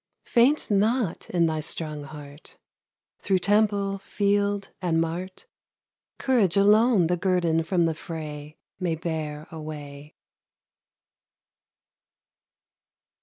Faint not in thy strong heart! Through temple, field and mart, Courage alone the guerdon from the fray May bear away.